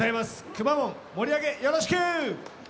くまモン、盛り上げよろしく！